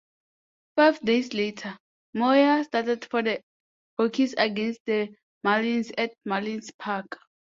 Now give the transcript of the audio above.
Five days later, Moyer started for the Rockies against the Marlins at Marlins Park.